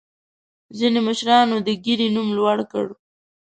ځینې مشرانو د ګیرې نوم لوړ کړ.